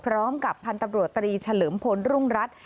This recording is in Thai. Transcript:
พร้อมกับพันธุ์ตำรวจตรีเฉลิมพลรุ่งรัฐ